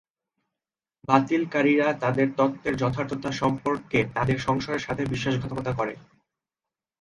বাতিলকারীরা তাদের তত্ত্বের যথার্থতা সম্পর্কে তাদের সংশয়ের সাথে বিশ্বাসঘাতকতা করে।